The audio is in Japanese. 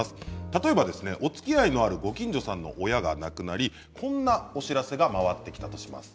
例えば、おつきあいのあるご近所さんの親が亡くなりこんなお知らせが回ってきたとします。